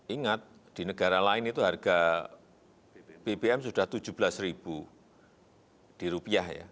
ingat di negara lain itu harga bpm sudah rp tujuh belas